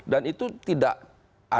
dan itu tidak ada hubungannya dengan p tiga